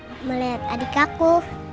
aku mau lihat adik aku